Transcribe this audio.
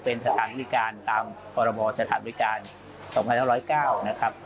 เป็นสถานบริการตามพรบสถานบริการ๒๕๐๙นะครับ